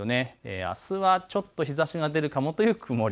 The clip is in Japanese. あすはちょっと日ざしが出るかもという曇り。